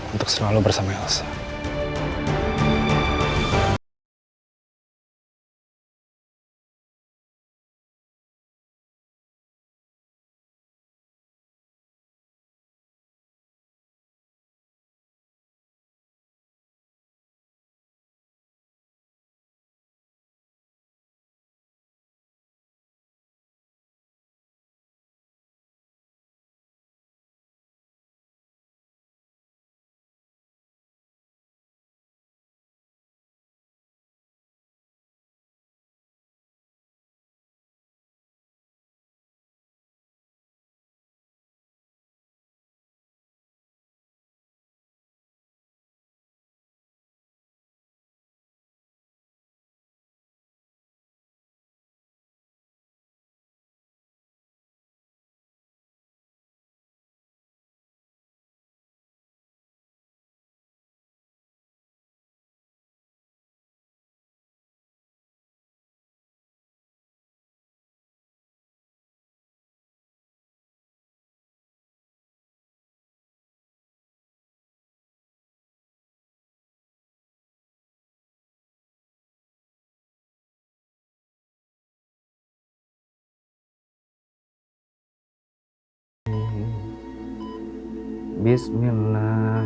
untuk selalu bersama elsa